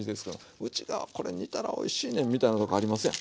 内側これ煮たらおいしいねんみたいなとこありますやん。